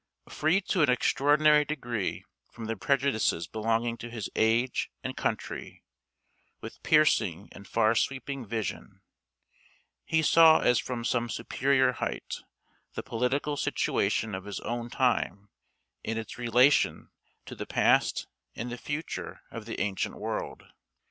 Free to an extraordinary degree from the prejudices belonging to his age and country, with piercing and far sweeping vision, he saw as from some superior height, the political situation of his own time in its relation to the past and the future of the ancient world.